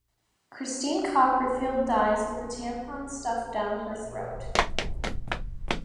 Christine Copperfield dies with a tampon stuffed down her throat.